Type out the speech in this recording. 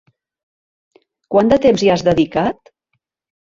Quant de temps hi has dedicat?